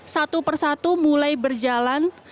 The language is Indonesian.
satu persatu mulai berjalan